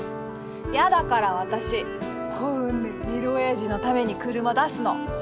嫌だから私こんなエロおやじのために車出すの。